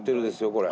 これ。